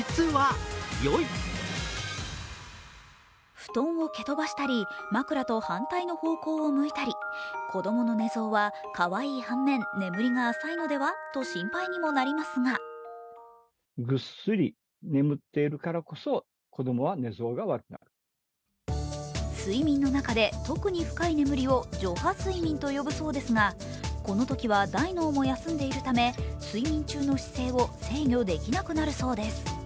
布団を蹴飛ばしたり枕と反対の方向を向いたり子供の寝相はかわいい反面眠りが浅いのではと心配にもなりますが睡眠の中で特に深い眠りを徐波睡眠と呼ぶそうですがこのときは大脳も休んでいるため睡眠中の姿勢を制御できなくなるそうです。